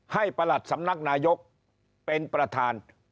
ประหลัดสำนักนายกเป็นประธาน